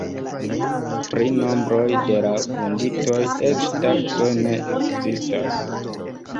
Pri nombroj de la vunditoj eĉ taksoj ne ekzistas.